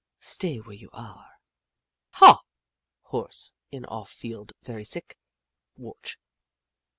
Stay where you are." Haw —" Horse in off field very sick. Watch."